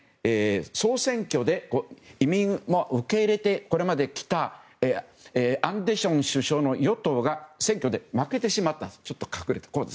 総選挙で移民をこれまで受け入れてきたアンデション首相の与党が選挙で負けてしまった。